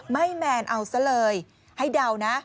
แมนเอาซะเลยให้เดานะ